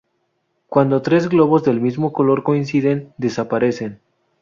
Cuando tres globos del mismo color coinciden, desaparecen.